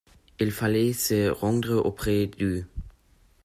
Il fallait se rendre auprès d'eux.